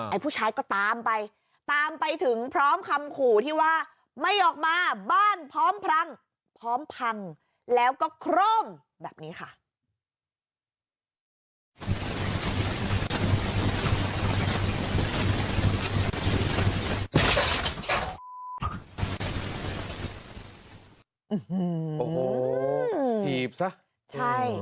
ผู้ชายก็ตามไปตามไปถึงพร้อมคำขู่ที่ว่าไม่ออกมาบ้านพร้อมพลังพร้อมพังแล้วก็โคร่มแบบนี้ค่ะ